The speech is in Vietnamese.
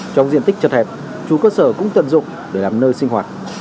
trong diện tích chật hẹp chủ cơ sở cũng tận dụng để làm nơi sinh hoạt